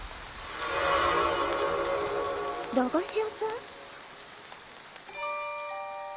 駄菓子屋さん？